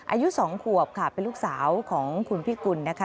อายุ๒ขวบค่ะเป็นลูกสาวของคุณพิกุลนะคะ